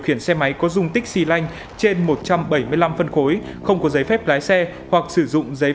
khiển xe máy có dung tích xì lanh trên một trăm bảy mươi năm phân khối không có giấy phép lái xe hoặc sử dụng giấy